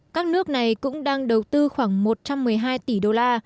các nước này cũng đang đầu tư khoảng một trăm một mươi hai tỷ đô la